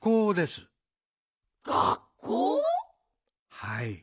「はい。